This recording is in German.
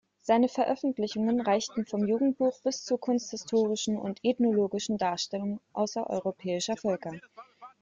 Seine Veröffentlichungen reichten vom Jugendbuch bis zu kunsthistorischen und ethnologischen Darstellungen außereuropäischer Völker.